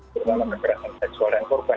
terutama kekerasan seksual dan korban